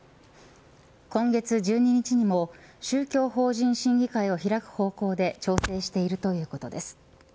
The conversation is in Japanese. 今月１２日にも宗教法人審議会を開く方向で調整しているということです。